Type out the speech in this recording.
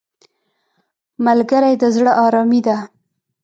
ملګری د زړه آرامي دی